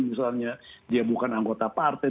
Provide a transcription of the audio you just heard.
misalnya dia bukan anggota partai